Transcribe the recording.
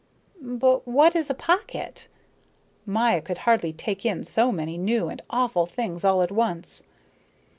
"But what is a pocket?" Maya could hardly take in so many new and awful things all at once.